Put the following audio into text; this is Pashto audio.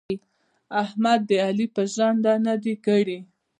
احمد د علي پر ژنده نه دي کړي.